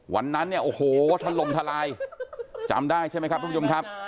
วันนั้นเนี่ยโอ้โหทะลมทลายจำได้ใช่ไหมครับทุกผู้ชมครับ